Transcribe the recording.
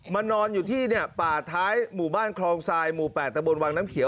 นอนอยู่ที่ป่าท้ายหมู่บ้านคลองทรายหมู่๘ตะบนวังน้ำเขียว